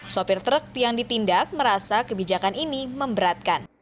sopir truk yang ditindak merasa kebijakan ini memberatkan